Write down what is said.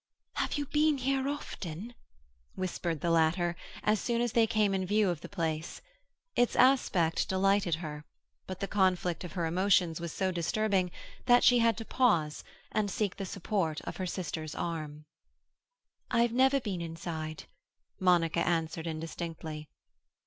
"Have you been here often?" whispered the latter, as soon as they came in view of the place. Its aspect delighted her, but the conflict of her emotions was so disturbing that she had to pause and seek the support of her sister's arm. "I've never been inside," Monica answered indistinctly.